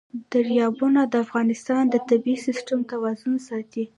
دریابونه د افغانستان د طبعي سیسټم توازن ساتي.